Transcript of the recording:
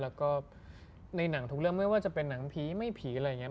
แล้วก็ในหนังทุกเรื่องไม่ว่าจะเป็นหนังผีไม่ผีอะไรอย่างนี้